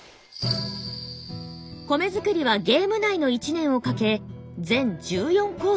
米作りはゲーム内の１年をかけ全１４工程に及ぶ。